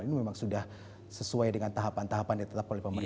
ini memang sudah sesuai dengan tahapan tahapan yang ditetapkan oleh pemerintah